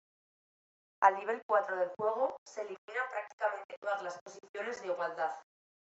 Al nivel cuatro de juego, se eliminan prácticamente todas las posiciones de igualdad.